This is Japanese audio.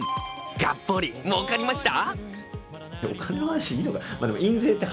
がっぽり儲かりました？